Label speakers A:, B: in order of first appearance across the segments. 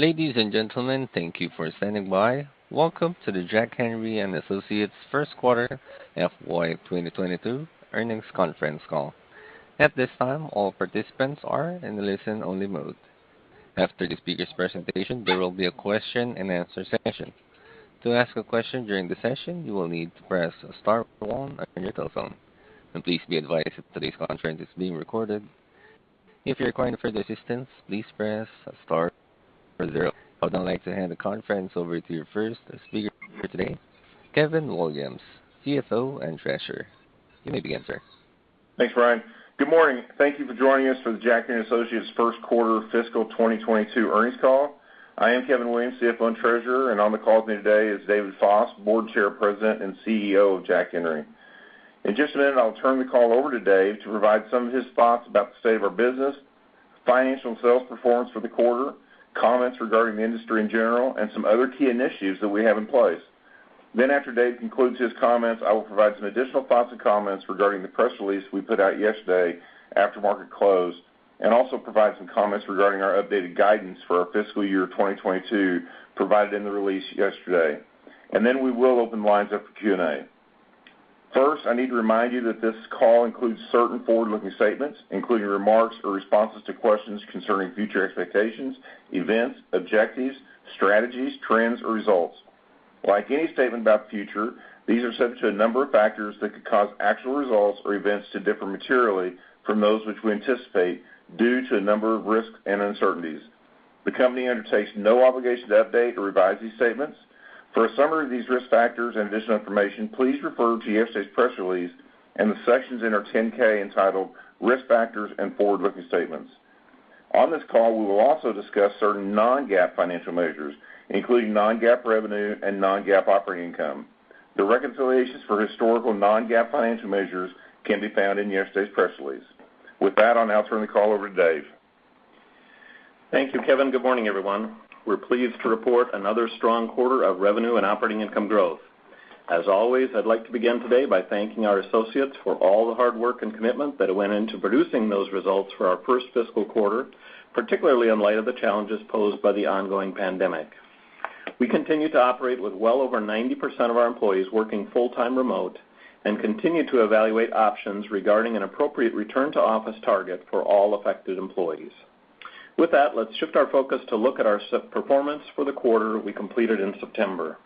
A: Ladies and gentlemen, thank you for standing by. Welcome to the Jack Henry & Associates First Quarter FY 2022 Earnings Conference Call. At this time, all participants are in listen-only mode. After the speaker's presentation, there will be a question-and-answer session. To ask a question during the session, you will need to press star one on your telephone. Please be advised that today's conference is being recorded. If you're requiring further assistance, please press star zero. I would now like to hand the conference over to your first speaker for today, Kevin Williams, CFO and Treasurer. You may begin, sir.
B: Thanks, Brian. Good morning. Thank you for joining us for the Jack Henry & Associates first quarter fiscal 2022 earnings call. I am Kevin Williams, CFO and Treasurer, and on the call with me today is David Foss, Board Chair, President, and CEO of Jack Henry. In just a minute, I'll turn the call over to Dave to provide some of his thoughts about the state of our business, financial and sales performance for the quarter, comments regarding the industry in general, and some other key initiatives that we have in place. Then after Dave concludes his comments, I will provide some additional thoughts and comments regarding the press release we put out yesterday after market close, and also provide some comments regarding our updated guidance for our fiscal year 2022 provided in the release yesterday. Then we will open lines up for Q&A. First, I need to remind you that this call includes certain forward-looking statements, including remarks or responses to questions concerning future expectations, events, objectives, strategies, trends, or results. Like any statement about the future, these are subject to a number of factors that could cause actual results or events to differ materially from those which we anticipate due to a number of risks and uncertainties. The company undertakes no obligation to update or revise these statements. For a summary of these risk factors and additional information, please refer to yesterday's press release and the sections in our 10-K entitled Risk Factors and Forward-Looking Statements. On this call, we will also discuss certain non-GAAP financial measures, including non-GAAP revenue and non-GAAP operating income. The reconciliations for historical non-GAAP financial measures can be found in yesterday's press release. With that, I'll now turn the call over to Dave.
C: Thank you, Kevin. Good morning, everyone. We're pleased to report another strong quarter of revenue and operating income growth. As always, I'd like to begin today by thanking our associates for all the hard work and commitment that went into producing those results for our first fiscal quarter, particularly in light of the challenges posed by the ongoing pandemic. We continue to operate with well over 90% of our employees working full-time remote and continue to evaluate options regarding an appropriate return-to-office target for all affected employees. With that, let's shift our focus to look at our performance for the quarter we completed in September.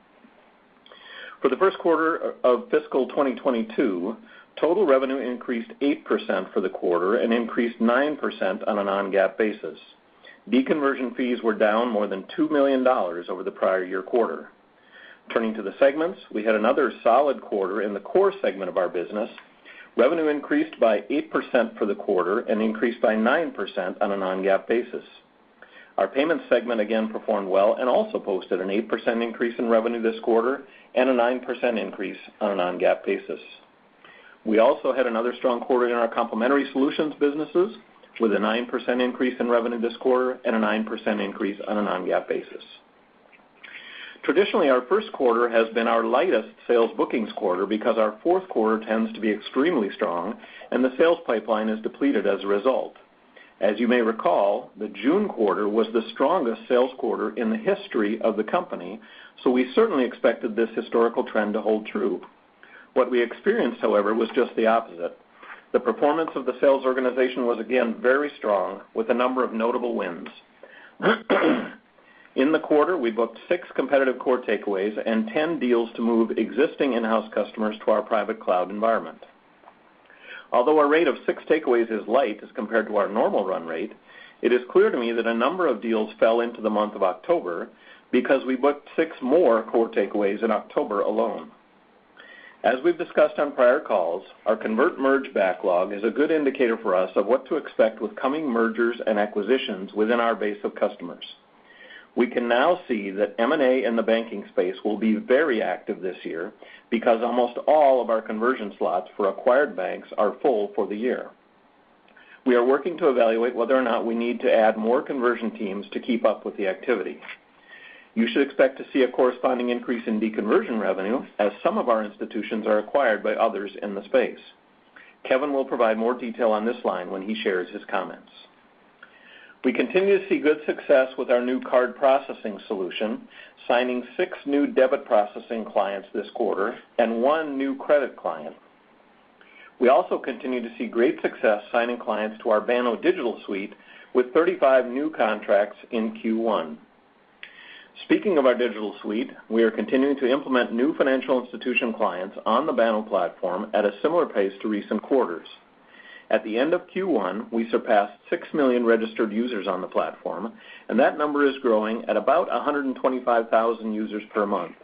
C: For the first quarter of fiscal 2022, total revenue increased 8% for the quarter and increased 9% on a non-GAAP basis. Deconversion fees were down more than $2 million over the prior year quarter. Turning to the segments, we had another solid quarter in the Core segment of our business. Revenue increased by 8% for the quarter and increased by 9% on a non-GAAP basis. Our Payments segment again performed well and also posted an 8% increase in revenue this quarter and a 9% increase on a non-GAAP basis. We also had another strong quarter in our Complementary Solutions businesses with a 9% increase in revenue this quarter and a 9% increase on a non-GAAP basis. Traditionally, our first quarter has been our lightest sales bookings quarter because our fourth quarter tends to be extremely strong and the sales pipeline is depleted as a result. As you may recall, the June quarter was the strongest sales quarter in the history of the company, so we certainly expected this historical trend to hold true. What we experienced, however, was just the opposite. The performance of the sales organization was again very strong, with a number of notable wins. In the quarter, we booked six competitive core takeaways and 10 deals to move existing in-house customers to our private cloud environment. Although our rate of six takeaways is light as compared to our normal run rate, it is clear to me that a number of deals fell into the month of October because we booked six more core takeaways in October alone. As we've discussed on prior calls, our convert merge backlog is a good indicator for us of what to expect with coming mergers and acquisitions within our base of customers. We can now see that M&A in the banking space will be very active this year because almost all of our conversion slots for acquired banks are full for the year. We are working to evaluate whether or not we need to add more conversion teams to keep up with the activity. You should expect to see a corresponding increase in deconversion revenue as some of our institutions are acquired by others in the space. Kevin will provide more detail on this line when he shares his comments. We continue to see good success with our new card processing solution, signing six new debit processing clients this quarter and one new credit client. We also continue to see great success signing clients to our Banno digital suite with 35 new contracts in Q1. Speaking of our digital suite, we are continuing to implement new financial institution clients on the Banno Platform at a similar pace to recent quarters. At the end of Q1, we surpassed 6 million registered users on the platform, and that number is growing at about 125,000 users per month.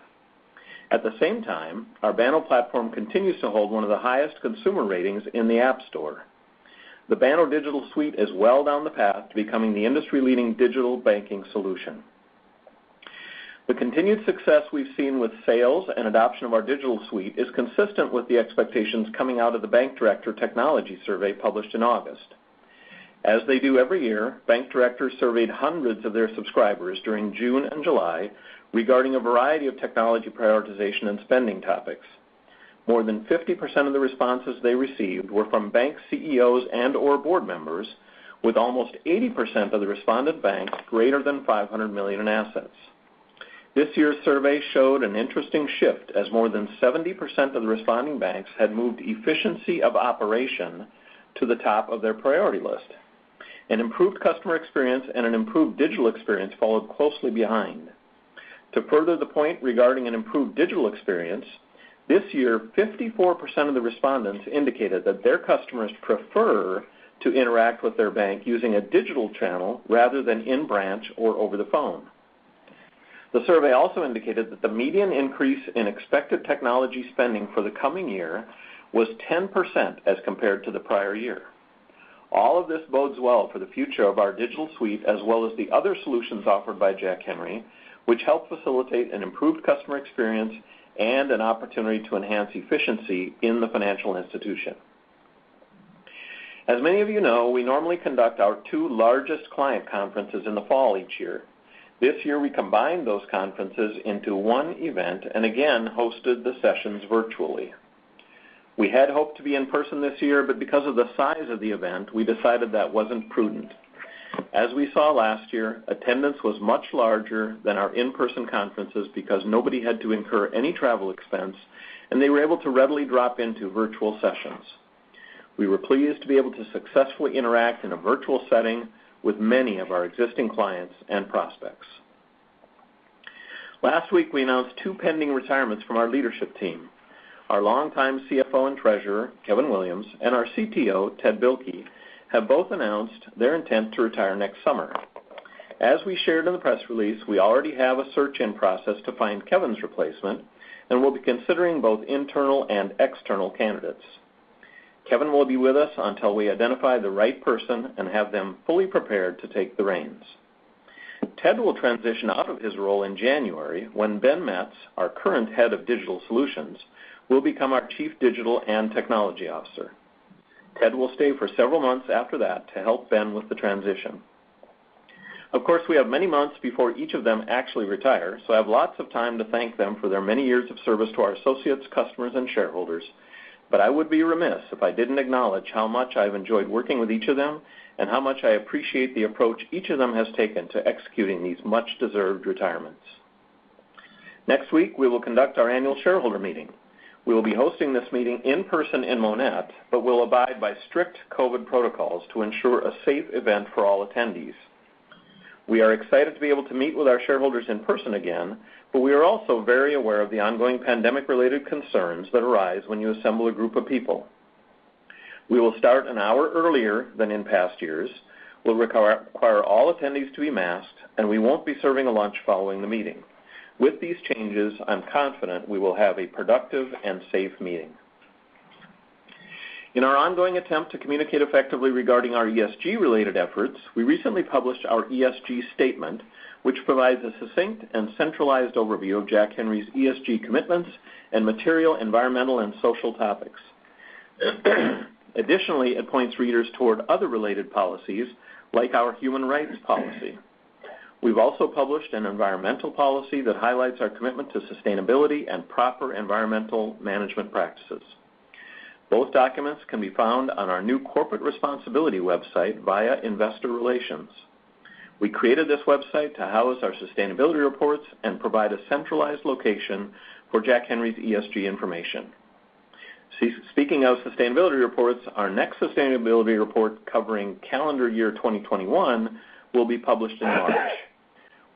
C: At the same time, our Banno Platform continues to hold one of the highest consumer ratings in the App Store. The Banno digital suite is well down the path to becoming the industry-leading digital banking solution. The continued success we've seen with sales and adoption of our digital suite is consistent with the expectations coming out of the Bank Director Technology Survey published in August. As they do every year, Bank Director surveyed hundreds of their subscribers during June and July regarding a variety of technology prioritization and spending topics. More than 50% of the responses they received were from bank CEOs and/or board members, with almost 80% of the respondent banks greater than $500 million in assets. This year's survey showed an interesting shift, as more than 70% of the responding banks had moved efficiency of operation to the top of their priority list. An improved customer experience and an improved digital experience followed closely behind. To further the point regarding an improved digital experience, this year, 54% of the respondents indicated that their customers prefer to interact with their bank using a digital channel rather than in-branch or over the phone. The survey also indicated that the median increase in expected technology spending for the coming year was 10% as compared to the prior year. All of this bodes well for the future of our digital suite, as well as the other solutions offered by Jack Henry, which help facilitate an improved customer experience and an opportunity to enhance efficiency in the financial institution. As many of you know, we normally conduct our two largest client conferences in the fall each year. This year, we combined those conferences into one event and again hosted the sessions virtually. We had hoped to be in person this year, but because of the size of the event, we decided that wasn't prudent. As we saw last year, attendance was much larger than our in-person conferences because nobody had to incur any travel expense, and they were able to readily drop into virtual sessions. We were pleased to be able to successfully interact in a virtual setting with many of our existing clients and prospects. Last week, we announced two pending retirements from our leadership team. Our longtime CFO and Treasurer, Kevin Williams, and our CTO, Ted Bilke, have both announced their intent to retire next summer. As we shared in the press release, we already have a search in process to find Kevin's replacement, and we'll be considering both internal and external candidates. Kevin will be with us until we identify the right person and have them fully prepared to take the reins. Ted will transition out of his role in January when Ben Metz, our current Head of Digital Solutions, will become our Chief Digital and Technology Officer. Ted will stay for several months after that to help Ben with the transition. Of course, we have many months before each of them actually retire, so I have lots of time to thank them for their many years of service to our associates, customers, and shareholders. I would be remiss if I didn't acknowledge how much I've enjoyed working with each of them and how much I appreciate the approach each of them has taken to executing these much-deserved retirements. Next week, we will conduct our Annual Shareholder Meeting. We will be hosting this meeting in person in Monett, but we'll abide by strict COVID protocols to ensure a safe event for all attendees. We are excited to be able to meet with our shareholders in person again, but we are also very aware of the ongoing pandemic-related concerns that arise when you assemble a group of people. We will start an hour earlier than in past years. We'll require all attendees to be masked, and we won't be serving a lunch following the meeting. With these changes, I'm confident we will have a productive and safe meeting. In our ongoing attempt to communicate effectively regarding our ESG-related efforts, we recently published our ESG statement, which provides a succinct and centralized overview of Jack Henry's ESG commitments and material environmental and social topics. Additionally, it points readers toward other related policies like our human rights policy. We've also published an environmental policy that highlights our commitment to sustainability and proper environmental management practices. Both documents can be found on our new corporate responsibility website via Investor Relations. We created this website to house our sustainability reports and provide a centralized location for Jack Henry's ESG information. Speaking of sustainability reports, our next sustainability report covering calendar year 2021 will be published in March.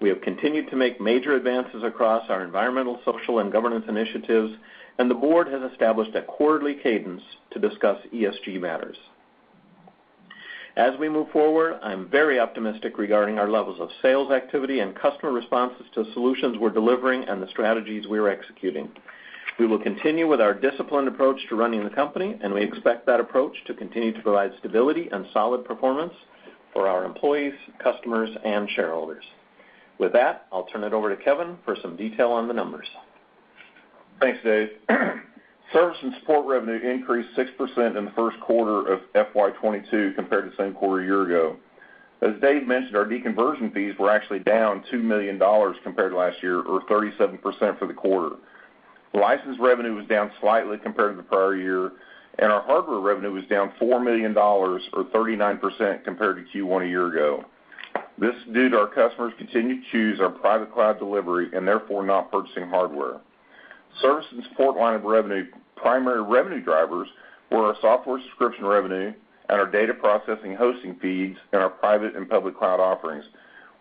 C: We have continued to make major advances across our environmental, social, and governance initiatives, and the board has established a quarterly cadence to discuss ESG matters. As we move forward, I'm very optimistic regarding our levels of sales activity and customer responses to solutions we're delivering and the strategies we are executing. We will continue with our disciplined approach to running the company, and we expect that approach to continue to provide stability and solid performance for our employees, customers, and shareholders. With that, I'll turn it over to Kevin for some detail on the numbers.
B: Thanks, Dave. Service and support revenue increased 6% in the first quarter of FY 2022 compared to the same quarter a year ago. As Dave mentioned, our deconversion fees were actually down $2 million compared to last year, or 37% for the quarter. License revenue was down slightly compared to the prior year, and our hardware revenue was down $4 million or 39% compared to Q1 a year ago. This is due to our customers continuing to choose our private cloud delivery and therefore not purchasing hardware. Service and support line of revenue, primary revenue drivers were our software subscription revenue and our data processing hosting fees in our private and public cloud offerings,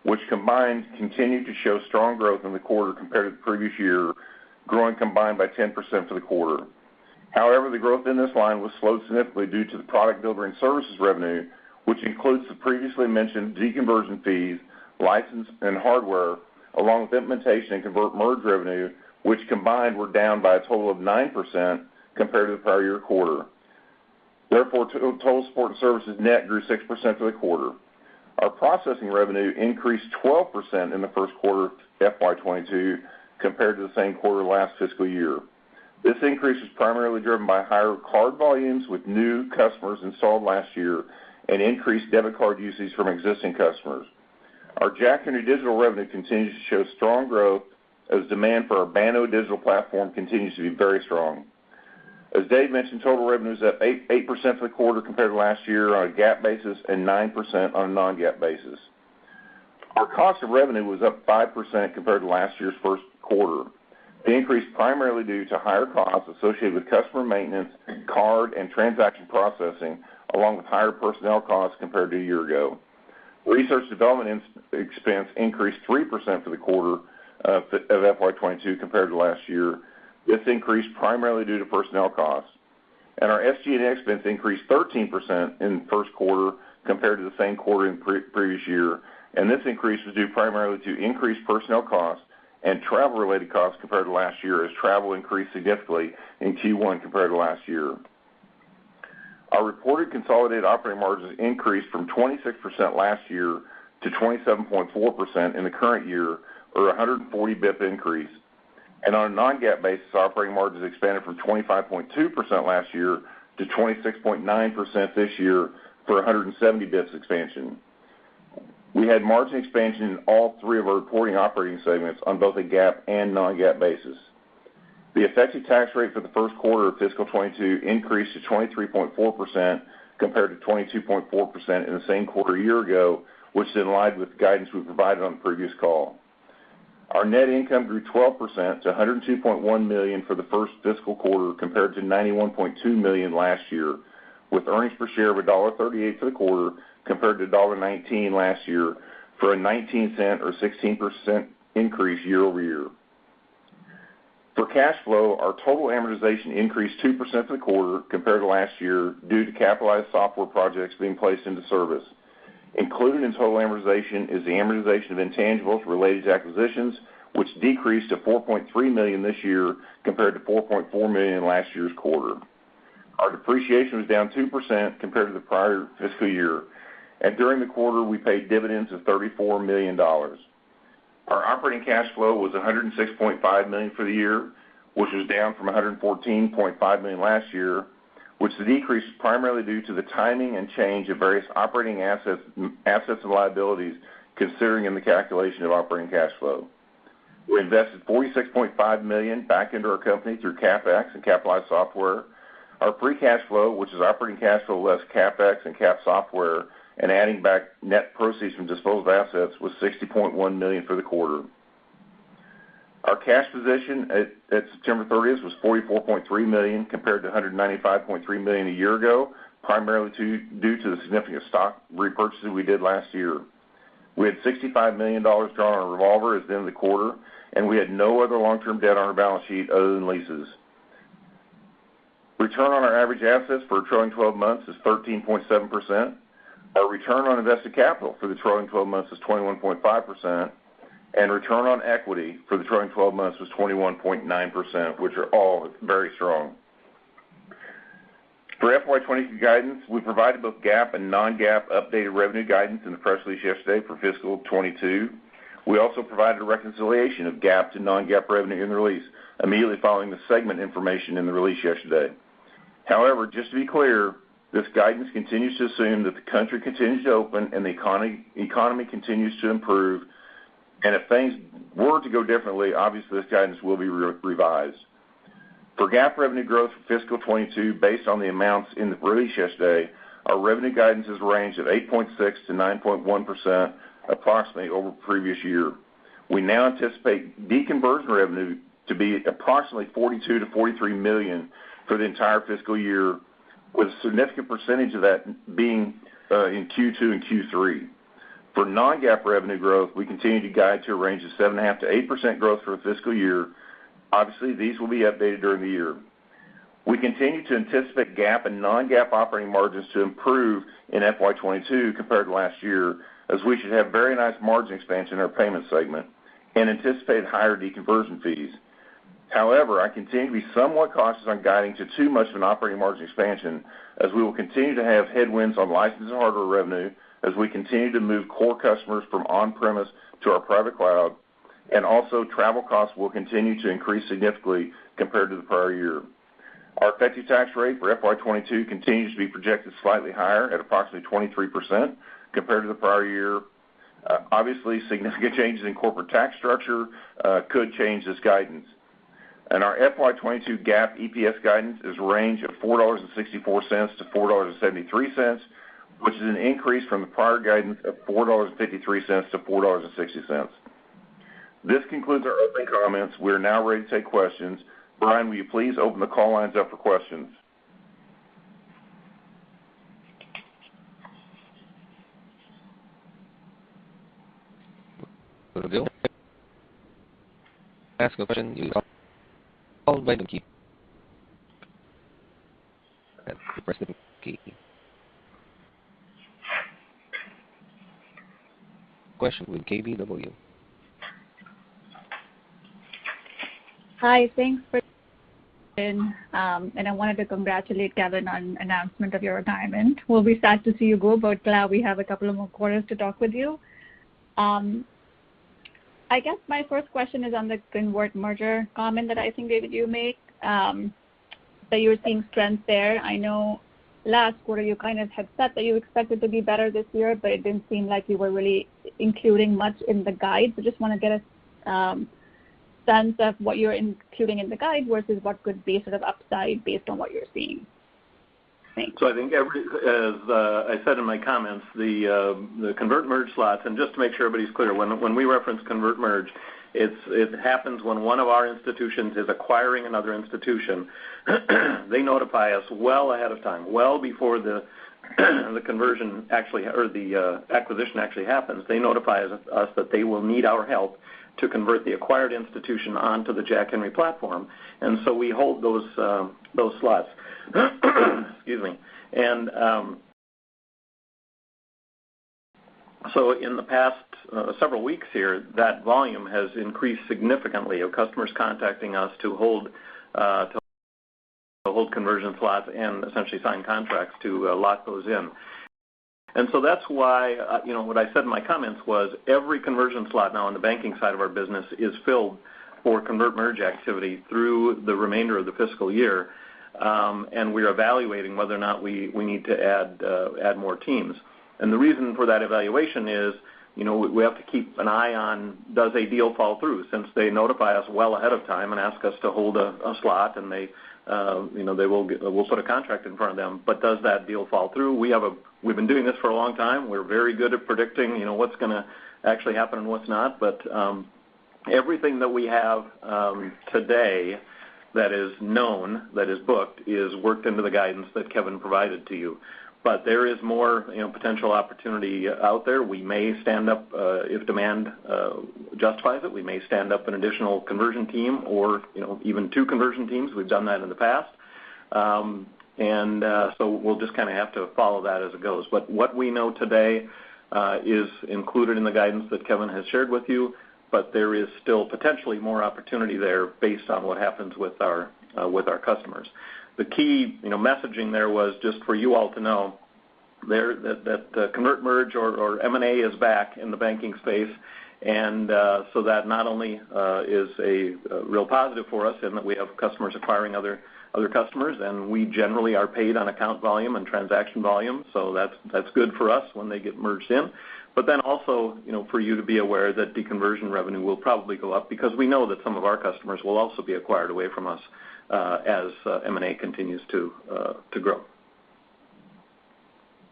B: which combined continued to show strong growth in the quarter compared to the previous year, growing combined by 10% for the quarter. However, the growth in this line was slowed significantly due to the product delivery and services revenue, which includes the previously mentioned deconversion fees, license and hardware, along with implementation and convert merge revenue, which combined were down by a total of 9% compared to the prior year quarter. Therefore, total support and services net grew 6% for the quarter. Our processing revenue increased 12% in the first quarter of FY 2022 compared to the same quarter last fiscal year. This increase was primarily driven by higher card volumes with new customers installed last year and increased debit card usage from existing customers. Our Jack Henry digital revenue continues to show strong growth as demand for our Banno digital platform continues to be very strong. As Dave mentioned, total revenue is up 8% for the quarter compared to last year on a GAAP basis and 9% on a non-GAAP basis. Our cost of revenue was up 5% compared to last year's first quarter. The increase was primarily due to higher costs associated with customer maintenance, card, and transaction processing, along with higher personnel costs compared to a year ago. Research and development expense increased 3% for the quarter of FY 2022 compared to last year. This increase was primarily due to personnel costs. Our SG&A expense increased 13% in the first quarter compared to the same quarter in previous year. This increase was due primarily to increased personnel costs and travel-related costs compared to last year, as travel increased significantly in Q1 compared to last year. Our reported consolidated operating margins increased from 26% last year to 27.4% in the current year, or a 140 basis points increase. On a non-GAAP basis, operating margins expanded from 25.2% last year to 26.9% this year for a 170 basis points expansion. We had margin expansion in all three of our reporting operating segments on both a GAAP and non-GAAP basis. The effective tax rate for first quarter 2022 increased to 23.4% compared to 22.4% in the same quarter a year ago, which is in line with the guidance we provided on the previous call. Our net income grew 12% to $102.1 million for the first fiscal quarter, compared to $91.2 million last year, with earnings per share of $1.38 for the quarter compared to $1.19 last year, for a $0.19 or 16% increase year-over-year. For cash flow, our total amortization increased 2% for the quarter compared to last year due to capitalized software projects being placed into service. Included in total amortization is the amortization of intangibles related to acquisitions, which decreased to $4.3 million this year compared to $4.4 million in last year's quarter. Our depreciation was down 2% compared to the prior fiscal year, and during the quarter, we paid dividends of $34 million. Our operating cash flow was $106.5 million for the year, which was down from $114.5 million last year, which the decrease is primarily due to the timing and change of various operating assets and liabilities considering in the calculation of operating cash flow. We invested $46.5 million back into our company through CapEx and capitalized software. Our free cash flow, which is operating cash flow less CapEx and cap software, and adding back net proceeds from disposed of assets, was $60.1 million for the quarter. Our cash position at September 30th was $44.3 million, compared to $195.3 million a year ago, primarily due to the significant stock repurchase that we did last year. We had $65 million drawn on a revolver as of the end of the quarter, and we had no other long-term debt on our balance sheet other than leases. Return on our average assets for trailing 12 months is 13.7%. Our return on invested capital for the trailing 12 months is 21.5%, and return on equity for the trailing 12 months was 21.9%, which are all very strong. For FY 2022 guidance, we provided both GAAP and non-GAAP updated revenue guidance in the press release yesterday for fiscal 2022. We also provided a reconciliation of GAAP to non-GAAP revenue in the release, immediately following the segment information in the release yesterday. However, just to be clear, this guidance continues to assume that the country continues to open and the economy continues to improve. If things were to go differently, obviously this guidance will be revised. For GAAP revenue growth for FY 2022, based on the amounts in the release yesterday, our revenue guidance is a range of 8.6%-9.1% approximately over the previous year. We now anticipate deconversion revenue to be approximately $42 million-$43 million for the entire fiscal year, with a significant percentage of that being in Q2 and Q3. For non-GAAP revenue growth, we continue to guide to a range of 7.5%-8% growth for the fiscal year. Obviously, these will be updated during the year. We continue to anticipate GAAP and non-GAAP operating margins to improve in FY 2022 compared to last year, as we should have very nice margin expansion in our payment segment and anticipate higher deconversion fees. However, I continue to be somewhat cautious on guiding to too much of an operating margin expansion, as we will continue to have headwinds on license and hardware revenue as we continue to move core customers from on-premise to our private cloud, and also travel costs will continue to increase significantly compared to the prior year. Our effective tax rate for FY 2022 continues to be projected slightly higher at approximately 23% compared to the prior year. Obviously, significant changes in corporate tax structure could change this guidance. Our FY 2022 GAAP EPS guidance is a range of $4.64-$4.73, which is an increase from the prior guidance of $4.53-$4.60. This concludes our opening comments. We are now ready to take questions. Brian, will you please open the call lines up for questions?
A: Go to Bill. Ask a question. Followed by Nikki. You can press star then K. Question with KBW.
D: Hi, thanks, and I wanted to congratulate Kevin on announcement of your retirement. We'll be sad to see you go, but glad we have a couple of more quarters to talk with you. I guess my first question is on the convert merge comment that I think, David, you made, that you were seeing strength there. I know last quarter you kind of had said that you expected to be better this year, but it didn't seem like you were really including much in the guide. Just wanna get a sense of what you're including in the guide versus what could be sort of upside based on what you're seeing. Thanks.
C: As I said in my comments, the convert merge slots. Just to make sure everybody's clear, when we reference convert merge, it happens when one of our institutions is acquiring another institution. They notify us well ahead of time, well before the conversion actually or the acquisition actually happens. They notify us that they will need our help to convert the acquired institution onto the Jack Henry platform. We hold those slots. In the past several weeks here, that volume has increased significantly of customers contacting us to hold conversion slots and essentially sign contracts to lock those in. That's why, you know, what I said in my comments was every conversion slot now on the banking side of our business is filled for convert merge activity through the remainder of the fiscal year. We're evaluating whether or not we need to add more teams. The reason for that evaluation is, you know, we have to keep an eye on does a deal fall through, since they notify us well ahead of time and ask us to hold a slot, and they, you know, they will, we'll sort a contract in front of them. Does that deal fall through? We've been doing this for a long time. We're very good at predicting, you know, what's gonna actually happen and what's not. Everything that we have today that is known, that is booked, is worked into the guidance that Kevin provided to you. There is more, you know, potential opportunity out there. We may stand up, if demand justifies it, we may stand up an additional conversion team or, you know, even two conversion teams. We've done that in the past. We'll just kinda have to follow that as it goes. What we know today is included in the guidance that Kevin has shared with you, but there is still potentially more opportunity there based on what happens with our customers. The key, you know, messaging there was just for you all to know there, that the convert merge or M&A is back in the banking space, and so that not only is a real positive for us in that we have customers acquiring other customers, and we generally are paid on account volume and transaction volume, so that's good for us when they get merged in. Also, you know, for you to be aware that the conversion revenue will probably go up because we know that some of our customers will also be acquired away from us, as M&A continues to grow.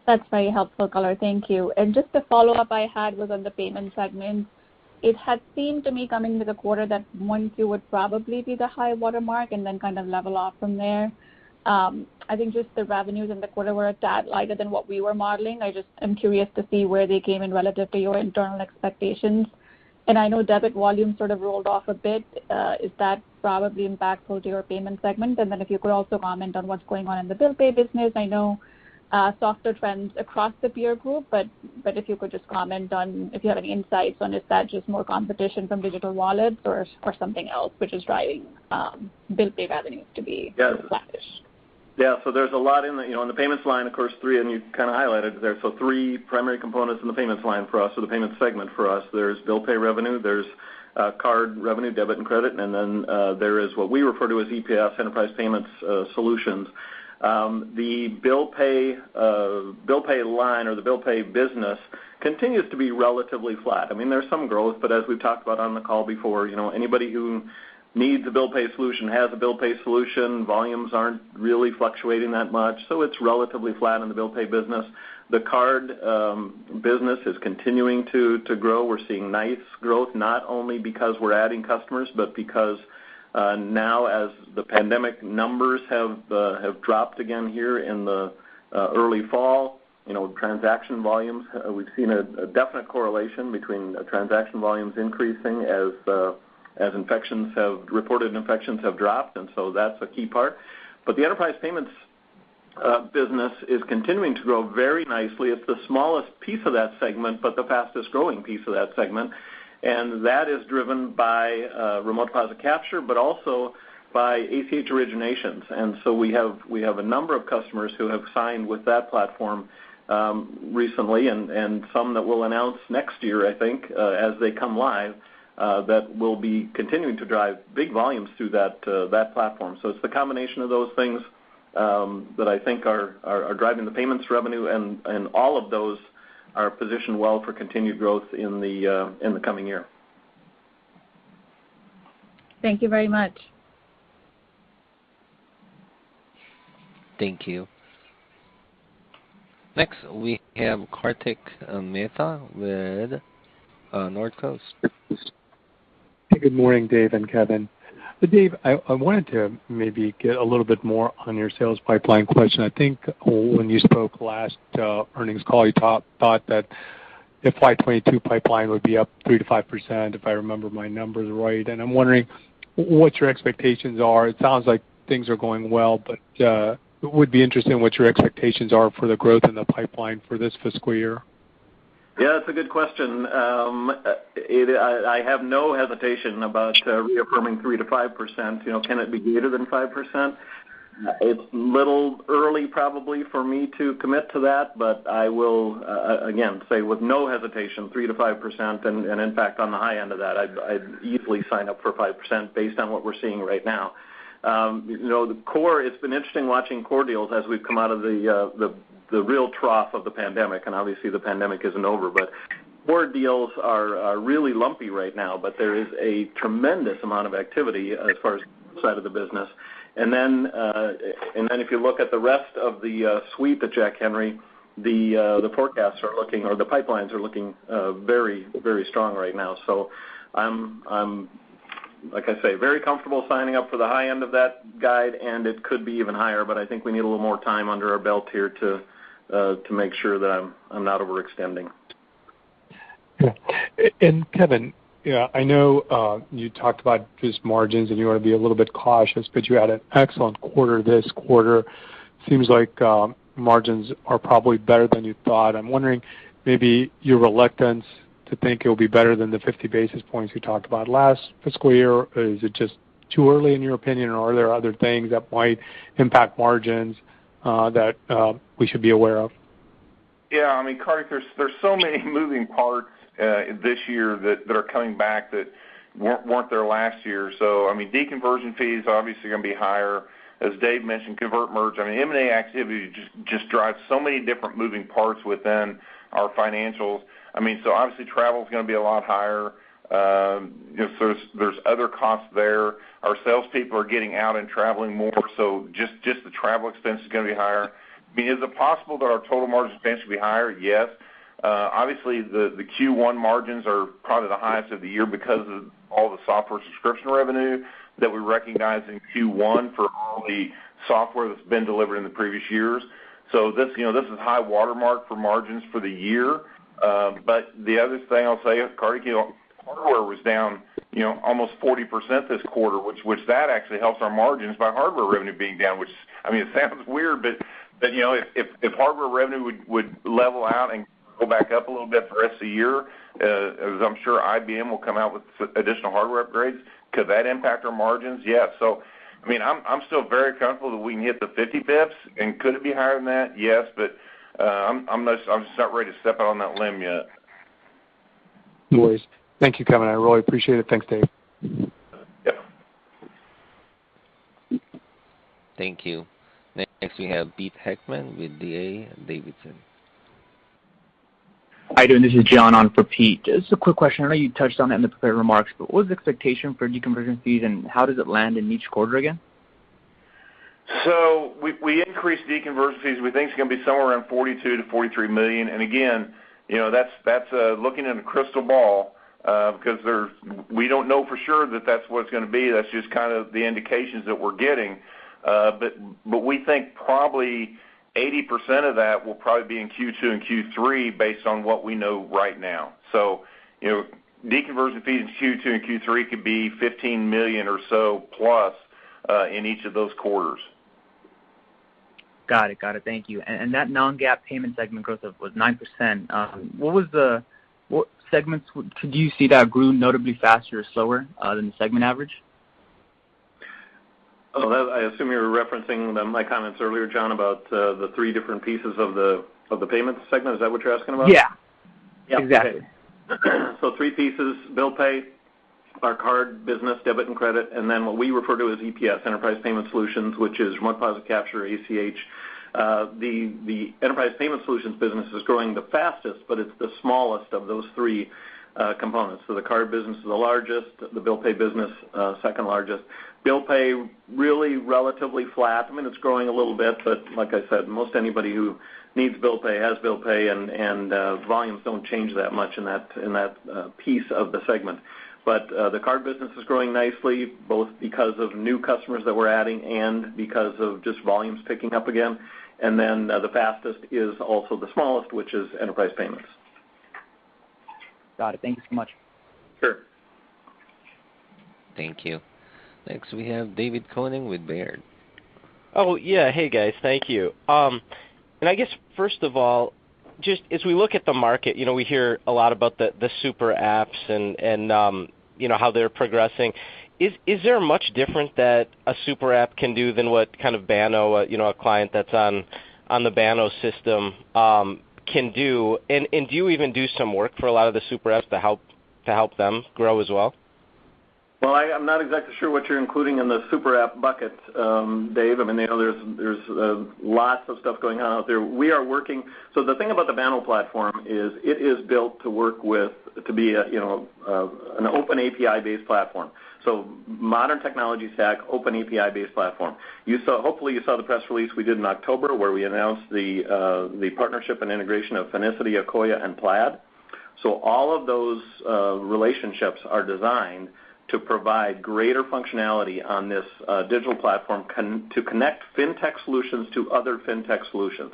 D: That's very helpful color. Thank you. Just a follow-up I had was on the payment segment. It had seemed to me coming into the quarter that 1Q, would probably be the high watermark and then kind of level off from there. I think just the revenues in the quarter were a tad lighter than what we were modeling. I just am curious to see where they came in relative to your internal expectations. I know debit volume sort of rolled off a bit. Is that probably impactful to your payment segment? If you could also comment on what's going on in the bill pay business. I know softer trends across the peer group, but if you could just comment on if you have any insights on is that just more competition from digital wallets or something else which is driving bill pay revenue to be-
B: Yeah
D: flat-ish.
B: Yeah. There's a lot in the you know, in the payments line, of course, three, and you kind of highlighted there. Three primary components in the payments line for us or the payments segment for us. There's bill pay revenue, there's card revenue, debit and credit, and then there is what we refer to as EPS, Enterprise Payment Solutions. The bill pay line or the bill pay business continues to be relatively flat. I mean, there's some growth, but as we've talked about on the call before, you know anybody who needs a bill pay solution has a bill pay solution. Volumes aren't really fluctuating that much, so it's relatively flat in the bill pay business. The card business is continuing to grow. We're seeing nice growth, not only because we're adding customers, but because now as the pandemic numbers have dropped again here in the early fall, you know, transaction volumes, we've seen a definite correlation between transaction volumes increasing as reported infections have dropped, and so that's a key part. The enterprise payments business is continuing to grow very nicely. It's the smallest piece of that segment, but the fastest-growing piece of that segment. That is driven by remote deposit capture, but also by ACH originations. We have a number of customers who have signed with that platform, recently and some that we'll announce next year, I think, as they come live, that will be continuing to drive big volumes through that platform. It's the combination of those things that I think are driving the payments revenue, and all of those are positioned well for continued growth in the coming year.
D: Thank you very much.
A: Thank you. Next, we have Kartik Mehta with Northcoast Research.
E: Hey, good morning, Dave and Kevin. Dave, I wanted to maybe get a little bit more on your sales pipeline question. I think when you spoke last earnings call, you thought that the FY 2022 pipeline would be up 3%-5%, if I remember my numbers right. I'm wondering what your expectations are. It sounds like things are going well, but I would be interested in what your expectations are for the growth in the pipeline for this fiscal year.
C: Yeah, it's a good question. I have no hesitation about reaffirming 3%-5%. You know, can it be greater than 5%? It's a little early probably for me to commit to that, but I will again say with no hesitation 3%-5%, and in fact, on the high end of that. I'd easily sign up for 5% based on what we're seeing right now. You know, the core, it's been interesting watching core deals as we've come out of the real trough of the pandemic, and obviously the pandemic isn't over. Core deals are really lumpy right now, but there is a tremendous amount of activity as far as side of the business. If you look at the rest of the suite at Jack Henry, the pipelines are looking very strong right now. I'm like I say, very comfortable signing up for the high end of that guide, and it could be even higher, but I think we need a little more time under our belt here to make sure that I'm not overextending.
E: Yeah. Kevin, you know, I know, you talked about just margins, and you wanna be a little bit cautious, but you had an excellent quarter this quarter. Seems like margins are probably better than you thought. I'm wondering maybe your reluctance to think it'll be better than the 50 basis points you talked about last fiscal year. Is it just too early in your opinion, or are there other things that might impact margins, that we should be aware of?
B: Yeah. I mean, Kartik, there's so many moving parts this year that are coming back that weren't there last year. I mean, deconversion fees are obviously gonna be higher. As Dave mentioned, convert merge. I mean, M&A activity just drives so many different moving parts within our financials. I mean, obviously, travel's gonna be a lot higher. You know, there are other costs there. Our salespeople are getting out and traveling more, so just the travel expense is gonna be higher. I mean, is it possible that our total margins expense will be higher? Yes. Obviously the Q1 margins are probably the highest of the year because of all the software subscription revenue that we recognize in Q1 for all the software that's been delivered in the previous years. This, you know, this is high watermark for margins for the year. The other thing I'll tell you, Kartik, you know, hardware was down, you know, almost 40% this quarter, which that actually helps our margins by hardware revenue being down, which I mean, it sounds weird, but you know, if hardware revenue would level out and go back up a little bit for the rest of the year, as I'm sure IBM will come out with some additional hardware upgrades, could that impact our margins? Yes. I mean, I'm still very comfortable that we can hit the 50 basis points. Could it be higher than that? Yes. I'm just not ready to step out on that limb yet.
E: No worries. Thank you, Kevin. I really appreciate it. Thanks, Dave.
B: Yeah.
A: Thank you. Next, we have Pete Heckmann with D.A. Davidson.
F: Hi you're doing? This is John on for Pete. Just a quick question. I know you touched on it in the prepared remarks, but what was the expectation for deconversion fees, and how does it land in each quarter again?
B: We increased deconversion fees. We think it's gonna be somewhere around $42 million-$43 million. Again, you know, that's looking in a crystal ball, because we don't know for sure that that's what it's gonna be. That's just kind of the indications that we're getting. But we think probably 80% of that will probably be in Q2 and Q3 based on what we know right now. You know, deconversion fees in Q2 and Q3 could be $15 million or so plus in each of those quarters.
F: Got it. Thank you. That non-GAAP payment segment growth was 9%. What segments would you see that grew notably faster or slower than the segment average?
B: Well, that, I assume you were referencing my comments earlier, John, about the three different pieces of the payments segment. Is that what you're asking about?
F: Yeah.
B: Yeah.
F: Exactly.
B: Three pieces, bill pay, our card business, debit and credit, and then what we refer to as EPS, Enterprise Payment Solutions, which is remote deposit capture, ACH. The Enterprise Payment Solutions business is growing the fastest, but it's the smallest of those three components. The card business is the largest, the bill pay business second largest. Bill pay really relatively flat. I mean, it's growing a little bit, but like I said, most anybody who needs bill pay has bill pay, and volumes don't change that much in that piece of the segment. The card business is growing nicely, both because of new customers that we're adding and because of just volumes picking up again. The fastest is also the smallest, which is Enterprise Payment Solutions.
F: Got it. Thank you so much.
B: Sure.
A: Thank you. Next, we have David Koning with Baird.
G: Oh, yeah. Hey, guys. Thank you. I guess first of all, just as we look at the market, you know, we hear a lot about the super apps and you know how they're progressing. Is there much different that a super app can do than what kind of Banno, you know, a client that's on the Banno system, can do? Do you even do some work for a lot of the super apps to help them grow as well?
C: I'm not exactly sure what you're including in the super app bucket, Dave. I mean, you know, there's lots of stuff going on out there. The thing about the Banno platform is it is built to be a, you know, an open API-based platform. Modern technology stack, open API-based platform. Hopefully, you saw the press release we did in October, where we announced the partnership and integration of Finicity, Akoya, and Plaid. All of those relationships are designed to provide greater functionality on this digital platform to connect fintech solutions to other fintech solutions.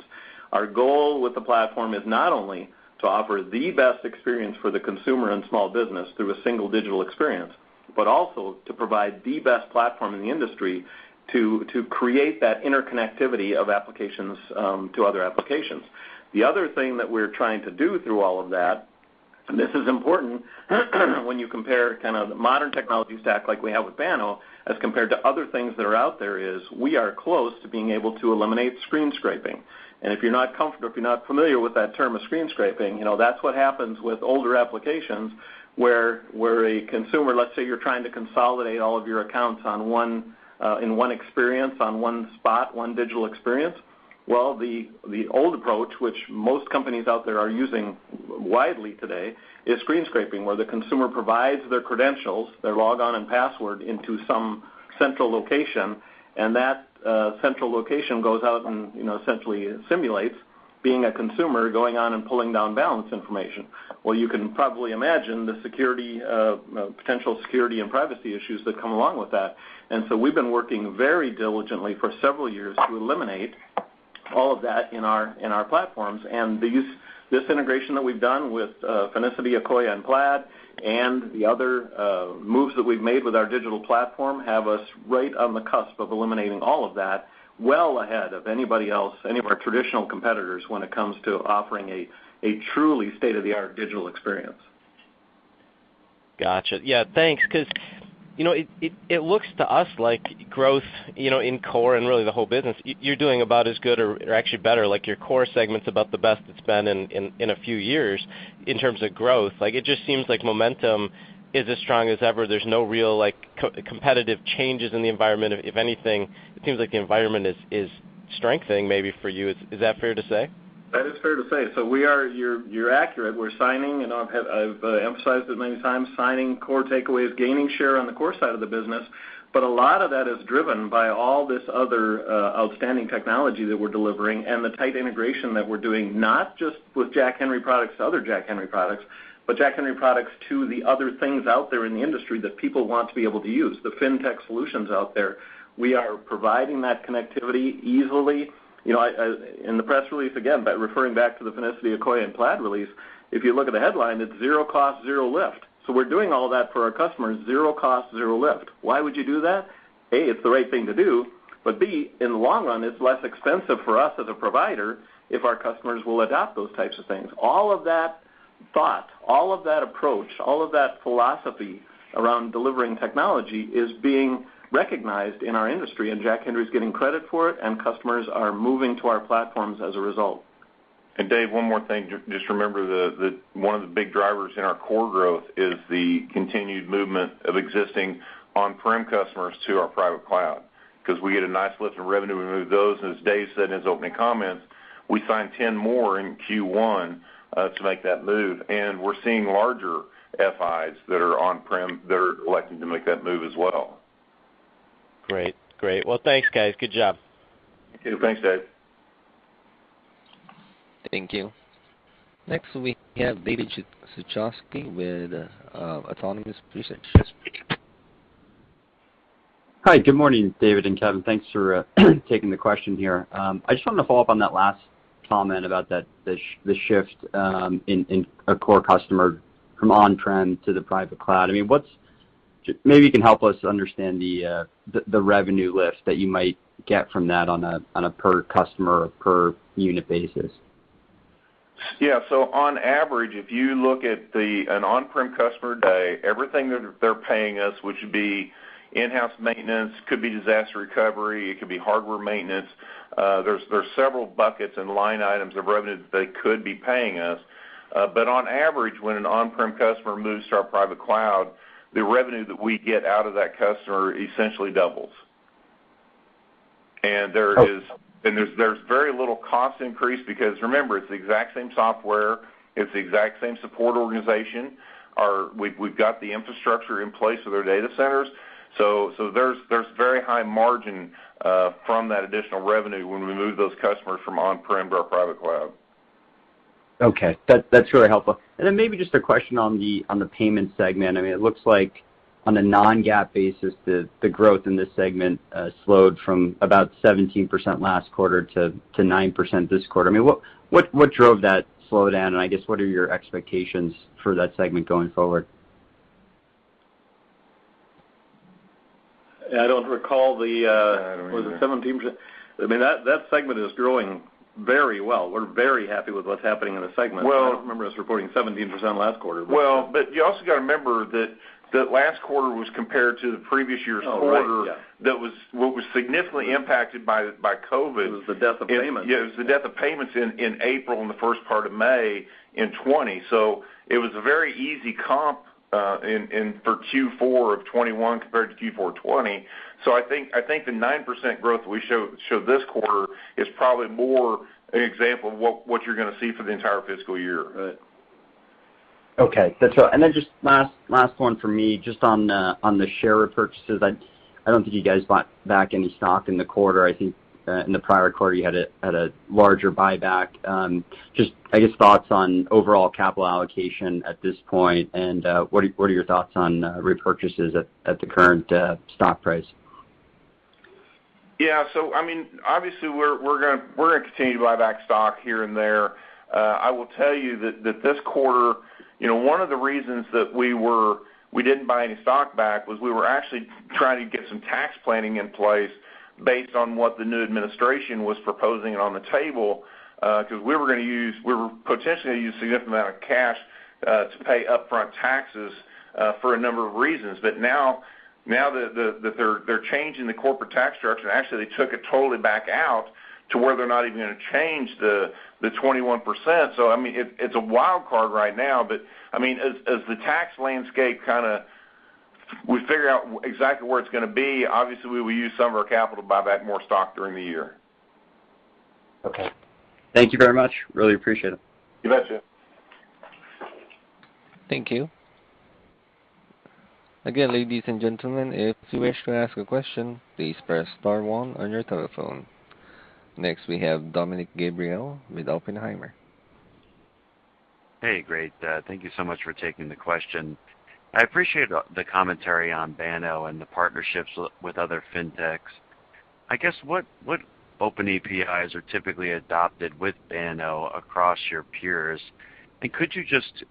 C: Our goal with the platform is not only to offer the best experience for the consumer and small business through a single digital experience but also to provide the best platform in the industry to create that interconnectivity of applications to other applications. The other thing that we're trying to do through all of that. This is important when you compare kind of the modern technology stack like we have with Banno as compared to other things that are out there, is we are close to being able to eliminate screen scraping. If you're not comfortable, if you're not familiar with that term of screen scraping, you know, that's what happens with older applications where a consumer, let's say you're trying to consolidate all of your accounts on one, in one experience, on one spot, one digital experience. Well, the old approach, which most companies out there are using widely today, is screen scraping, where the consumer provides their credentials, their logon and password into some central location, and that central location goes out and, you know, essentially simulates being a consumer going on and pulling down balance information. Well, you can probably imagine the security potential security and privacy issues that come along with that. We've been working very diligently for several years to eliminate all of that in our platforms. This integration that we've done with Finicity, Akoya, and Plaid and the other moves that we've made with our digital platform have us right on the cusp of eliminating all of that well ahead of anybody else, any of our traditional competitors when it comes to offering a truly state-of-the-art digital experience.
G: Gotcha. Yeah. Thanks. 'Cause, you know, it looks to us like growth, you know, in core and really the whole business, you're doing about as good or actually better. Like, your core segment's about the best it's been in a few years in terms of growth. Like, it just seems like momentum is as strong as ever. There's no real, like, competitive changes in the environment. If anything, it seems like the environment is strengthening maybe for you. Is that fair to say?
C: That is fair to say. You're accurate. We're signing, and I've emphasized it many times, signing core takeovers, gaining share on the core side of the business, but a lot of that is driven by all this other outstanding technology that we're delivering and the tight integration that we're doing, not just with Jack Henry products to other Jack Henry products, but Jack Henry products to the other things out there in the industry that people want to be able to use, the fintech solutions out there. We are providing that connectivity easily. You know, in the press release, again, by referring back to the Finicity, Akoya, and Plaid release, if you look at the headline, it's zero cost, zero lift. We're doing all that for our customers, zero cost, zero lift. Why would you do that? A, it's the right thing to do, but B, in the long run, it's less expensive for us as a provider if our customers will adopt those types of things. All of that thought, all of that approach, all of that philosophy around delivering technology is being recognized in our industry, and Jack Henry is getting credit for it, and customers are moving to our platforms as a result.
B: Dave, one more thing. Just remember one of the big drivers in our core growth is the continued movement of existing on-prem customers to our private cloud 'cause we get a nice lift in revenue. We move those, and as Dave said in his opening comments, we signed 10 more in Q1 to make that move. We're seeing larger FIs that are on-prem that are electing to make that move as well.
G: Great. Well, thanks, guys. Good job.
B: You too. Thanks, Dave.
A: Thank you. Next, we have Ken Suchoski with Autonomous Research.
H: Hi. Good morning, David and Kevin. Thanks for taking the question here. I just wanted to follow up on that last comment about the shift in a core customer from on-prem to the private cloud. I mean, maybe you can help us understand the revenue lift that you might get from that on a per customer or per unit basis.
B: Yeah. On average, if you look at an on-prem customer today, everything they're paying us, which would be in-house maintenance, could be disaster recovery, it could be hardware maintenance, there's several buckets and line items of revenue that they could be paying us. But on average, when an on-prem customer moves to our private cloud, the revenue that we get out of that customer essentially doubles.
H: Oh.
B: There is, there's very little cost increase because remember, it's the exact same software. It's the exact same support organization. We've got the infrastructure in place with our data centers. So there's very high margin from that additional revenue when we move those customers from on-prem to our private cloud.
H: Okay. That's really helpful. Maybe just a question on the payment segment. I mean, it looks like on a non-GAAP basis, the growth in this segment slowed from about 17% last quarter to 9% this quarter. I mean, what drove that slowdown? I guess, what are your expectations for that segment going forward?
C: I don't recall the.
B: I don't either.
C: Was it 17%? I mean, that segment is growing very well. We're very happy with what's happening in the segment.
B: Well-
C: I don't remember us reporting 17% last quarter.
B: Well, you also got to remember that last quarter was compared to the previous year's quarter.
C: Oh, right. Yeah....
B: what was significantly impacted by COVID.
C: It was the debt of payments.
B: Yeah, it was the debt of payments in April and the first part of May in 2020. It was a very easy comp in for Q4 of 2021 compared to Q4 2020. I think the 9% growth we showed this quarter is probably more an example of what you're gonna see for the entire fiscal year.
C: Right.
H: Okay. That's all. Just last one for me, just on the share repurchases. I don't think you guys bought back any stock in the quarter. I think in the prior quarter, you had a larger buyback. I guess thoughts on overall capital allocation at this point, and what are your thoughts on repurchases at the current stock price?
B: I mean, obviously, we're gonna continue to buy back stock here and there. I will tell you that this quarter, you know, one of the reasons that we didn't buy any stock back was we were actually trying to get some tax planning in place based on what the new administration was proposing and on the table, because we were potentially gonna use a significant amount of cash to pay upfront taxes for a number of reasons. Now that they're changing the corporate tax structure, and actually they took it totally back out to where they're not even gonna change the 21%. I mean, it's a wild card right now. I mean, as the tax landscape kinda, we figure out exactly where it's gonna be, obviously we will use some of our capital to buy back more stock during the year.
H: Okay. Thank you very much. Really appreciate it.
B: You betcha.
A: Thank you. Again, ladies and gentlemen, if you wish to ask a question, please press star one on your telephone. Next, we have Dominick Gabriele with Oppenheimer.
I: Hey, great. Thank you so much for taking the question. I appreciate the commentary on Banno and the partnerships with other fintechs. I guess what open APIs are typically adopted with Banno across your peers? Could you just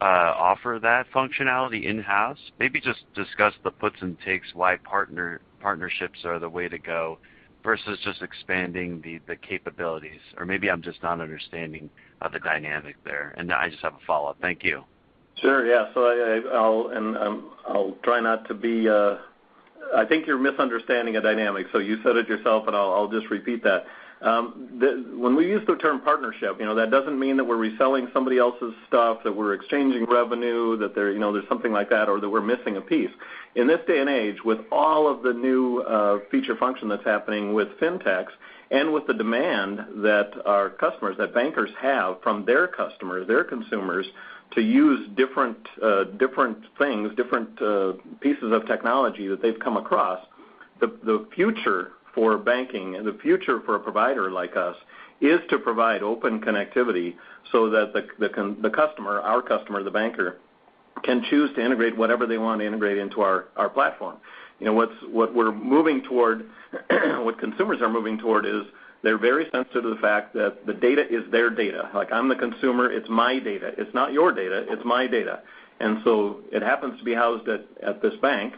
I: offer that functionality in-house? Maybe just discuss the puts and takes why partnerships are the way to go versus just expanding the capabilities or maybe I'm just not understanding the dynamic there. I just have a follow-up. Thank you.
B: Sure, yeah. I'll try not to be. I think you're misunderstanding a dynamic. You said it yourself, and I'll just repeat that. When we use the term partnership, you know, that doesn't mean that we're reselling somebody else's stuff, that we're exchanging revenue, that there, you know, there's something like that or that we're missing a piece. In this day and age, with all of the new feature function that's happening with fintechs and with the demand that our customers, that bankers have from their customers, their consumers to use different things, different pieces of technology that they've come across, the future for banking and the future for a provider like us is to provide open connectivity so that the customer, our customer, the banker, can choose to integrate whatever they want to integrate into our platform. You know, what we're moving toward, what consumers are moving toward is they're very sensitive to the fact that the data is their data. Like I'm the consumer, it's my data. It's not your data, it's my data. It happens to be housed at this bank,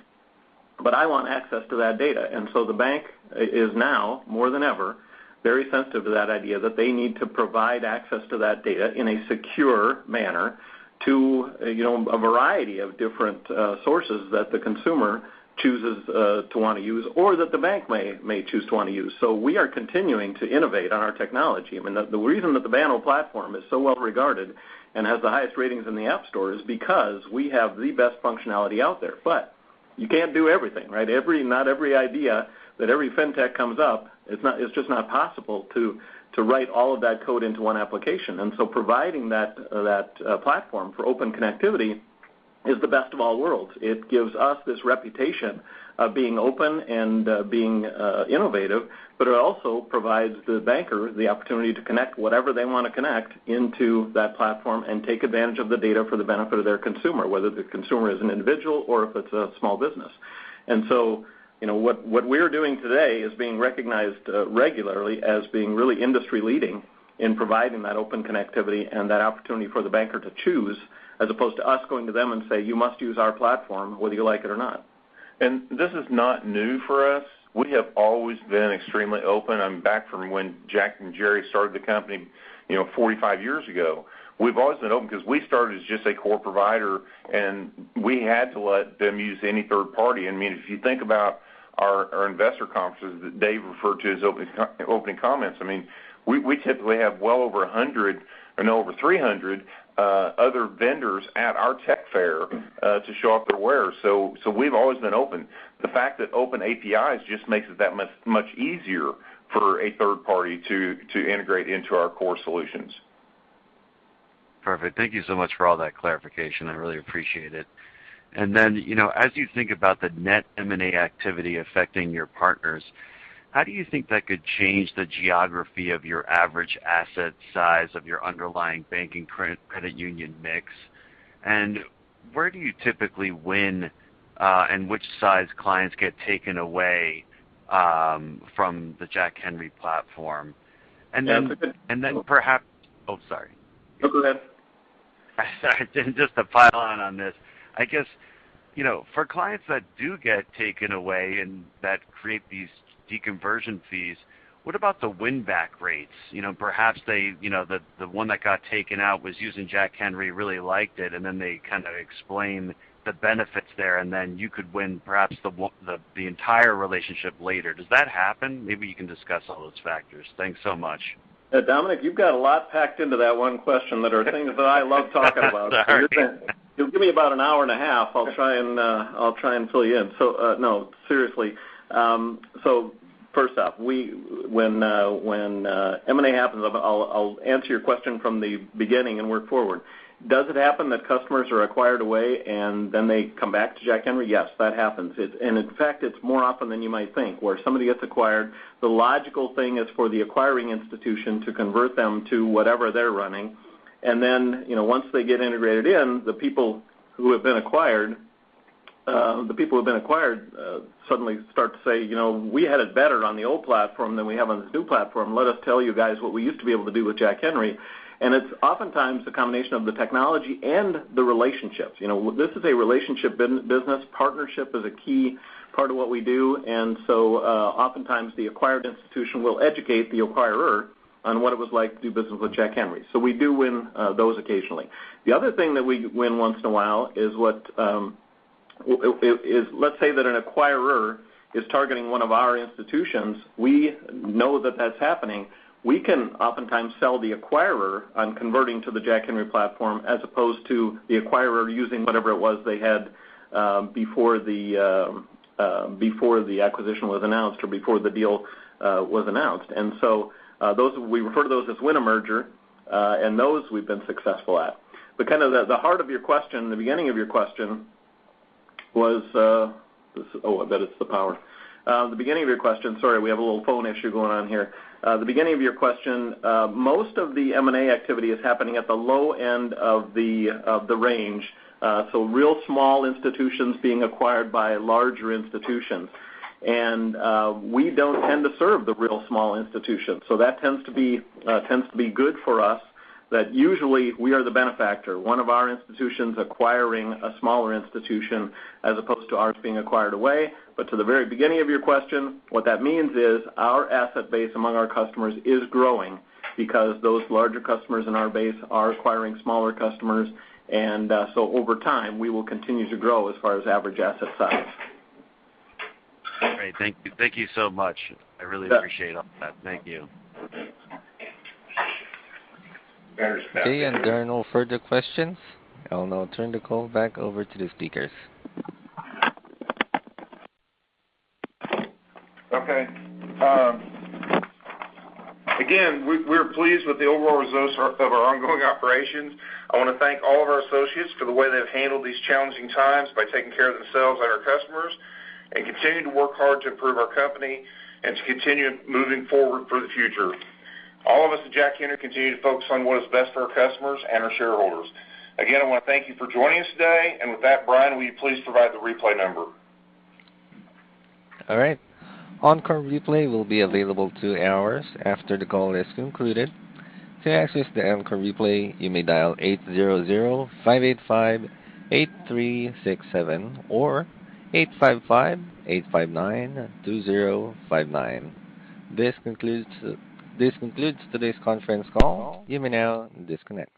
B: but I want access to that data. The bank is now, more than ever, very sensitive to that idea that they need to provide access to that data in a secure manner to, you know, a variety of different sources that the consumer chooses to wanna use or that the bank may choose to wanna use. We are continuing to innovate on our technology. I mean, the reason that the Banno Platform is so well regarded and has the highest ratings in the App Store is because we have the best functionality out there. But you can't do everything, right? Not every idea that every fintech comes up, it's just not possible to write all of that code into one application. Providing that platform for open connectivity is the best of all worlds. It gives us this reputation of being open and being innovative, but it also provides the banker the opportunity to connect whatever they wanna connect into that platform and take advantage of the data for the benefit of their consumer, whether the consumer is an individual or if it's a small business. You know, what we're doing today is being recognized regularly as being really industry leading in providing that open connectivity and that opportunity for the banker to choose, as opposed to us going to them and say, "You must use our platform whether you like it or not." This is not new for us. We have always been extremely open, back from when Jack and Jerry started the company, you know, 45 years ago. We've always been open 'cause we started as just a core provider, and we had to let them use any third party. I mean, if you think about our investor conferences that Dave referred to in his opening comments, I mean, we typically have well over 100 and over 300 other vendors at our tech fair to show off their wares. We've always been open. The fact that open API just makes it that much easier for a third party to integrate into our core solutions.
I: Perfect. Thank you so much for all that clarification. I really appreciate it. You know, as you think about the net M&A activity affecting your partners, how do you think that could change the geography of your average asset size of your underlying banking, credit union mix? Where do you typically win, and which size clients get taken away from the Jack Henry platform? Then perhaps-
B: Yeah.
I: Oh, sorry.
B: No, go ahead.
I: Sorry. Just to pile on this. I guess, you know, for clients that do get taken away and that create these deconversion fees, what about the win back rates? You know, perhaps they, you know, the one that got taken out was using Jack Henry really liked it, and then they kinda explain the benefits there, and then you could win perhaps the entire relationship later. Does that happen? Maybe you can discuss all those factors. Thanks so much.
C: Yeah. Dominick, you've got a lot packed into that one question that are things that I love talking about.
I: Sorry.
C: If you give me about an hour and a half, I'll try and fill you in. No, seriously, first off, when M&A happens, I'll answer your question from the beginning and work forward. Does it happen that customers are acquired away and then they come back to Jack Henry? Yes, that happens. In fact, it's more often than you might think, where somebody gets acquired, the logical thing is for the acquiring institution to convert them to whatever they're running. Then, you know, once they get integrated in, the people who've been acquired suddenly start to say, "You know, we had it better on the old platform than we have on this new platform. Let us tell you guys what we used to be able to do with Jack Henry." It's oftentimes a combination of the technology and the relationships. You know, this is a relationship business. Partnership is a key part of what we do. Oftentimes, the acquired institution will educate the acquirer on what it was like to do business with Jack Henry. We do win those occasionally. The other thing that we win once in a while is what, let's say that an acquirer is targeting one of our institutions, we know that that's happening. We can oftentimes sell the acquirer on converting to the Jack Henry platform as opposed to the acquirer using whatever it was they had before the acquisition was announced or before the deal was announced. Those, we refer to those as win a merger, and those we've been successful at. But kind of the heart of your question, the beginning of your question was, oh that is the power, the beginning of your question, sorry we have a little phone issue going on here, the beginning of your question most of the M&A activity is happening at the low end of the range, so real small institutions being acquired by larger institutions. We don't tend to serve the real small institutions. So that tends to be good for us that usually we are the benefactor, one of our institutions acquiring a smaller institution as opposed to ours being acquired away. To the very beginning of your question, what that means is our asset base among our customers is growing because those larger customers in our base are acquiring smaller customers. Over time, we will continue to grow as far as average asset size.
I: Great. Thank you. Thank you so much. I really appreciate all that. Thank you.
C: Very special.
A: Okay. There are no further questions. I'll now turn the call back over to the speakers.
B: Okay. Again, we're pleased with the overall results of our ongoing operations. I wanna thank all of our associates for the way they've handled these challenging times by taking care of themselves and our customers, and continue to work hard to improve our company and to continue moving forward for the future. All of us at Jack Henry continue to focus on what is best for our customers and our shareholders. Again, I wanna thank you for joining us today. With that, Brian, will you please provide the replay number?
A: All right. On-call replay will be available two hours after the call is concluded. To access the on-call replay, you may dial 800-585-8367 or 855-859-2059. This concludes today's conference call. You may now disconnect.